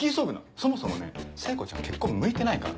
そもそもね聖子ちゃん結婚向いてないから。